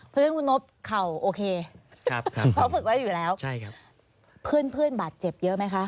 เพราะฉะนั้นคุณนบเข่าโอเคเพราะฝึกไว้อยู่แล้วเพื่อนบาดเจ็บเยอะไหมคะ